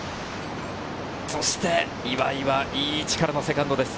そして岩井はいい位置からのセカンドです。